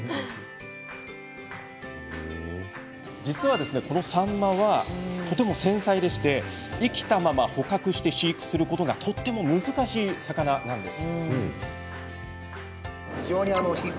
実はサンマは、とても繊細で生きたまま捕獲して飼育することがとても難しい魚なんです。